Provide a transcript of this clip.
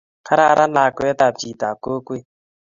Kararan lakwetab chitap kokwet